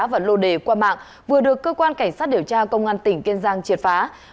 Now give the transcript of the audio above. và lô đề qua mạng vừa được cơ quan cảnh sát điều tra công an tỉnh kiên giang triệt phá